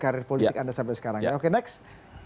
karir politik anda sampai sekarang ya oke next